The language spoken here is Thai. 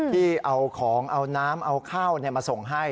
ที่เอาของเอาน้ำเอาข้าวมาส่งให้